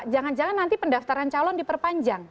jangan jangan nanti pendaftaran calon diperpanjang